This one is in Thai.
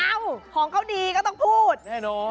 ของเขาดีก็ต้องพูดแน่นอน